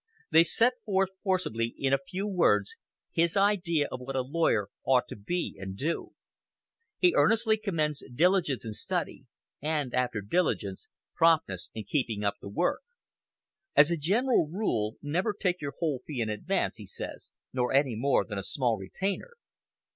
They set forth forcibly, in a few words, his idea of what a lawyer ought to be and to do. He earnestly commends diligence in study, and, after diligence, promptness in keeping up the work. "As a general rule, never take your whole fee in advance," he says, "nor any more than a small retainer.